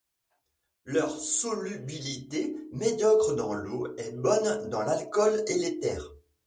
Leur solubilité, médiocre dans l'eau, est bonne dans l'alcool et l'éther.